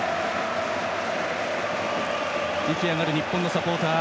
意気上がる日本のサポーター。